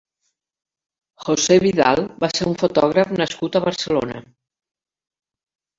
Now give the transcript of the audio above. José Vidal va ser un fotògraf nascut a Barcelona.